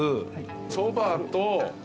そばと。